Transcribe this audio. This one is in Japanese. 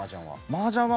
マージャンは。